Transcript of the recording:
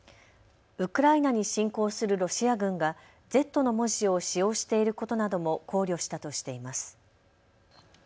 ウクライナに侵攻するロシア軍がＺの文字を使用していることなども考慮したとしています。